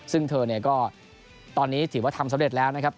ซึ่งเธอเนี่ยก็ตอนนี้ถือว่าทำสำเร็จแล้วนะครับ